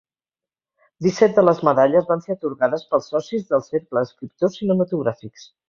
Disset de les medalles van ser atorgades pels socis del Cercle d'Escriptors Cinematogràfics.